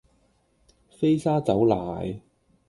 飛砂走奶